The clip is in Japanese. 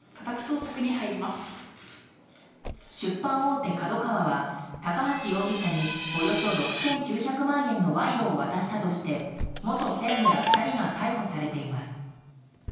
出版大手ＫＡＤＯＫＡＷＡは高橋容疑者におよそ６９００万円の賄賂を渡したとして元専務ら２人が逮捕されています。